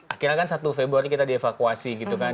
akhirnya kan satu februari kita dievakuasi gitu kan